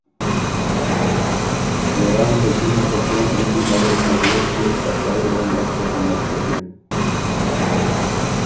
حېران بُکِن که څېن غُنجی نرل نغوک بیوک افئ یه وه نک پُرغُنک بُکِن